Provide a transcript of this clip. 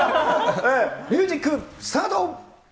ミュージックスタート。